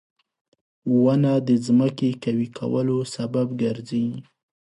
• ونه د ځمکې قوي کولو سبب ګرځي.